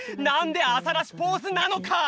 なんでアザラシポーズなのか！？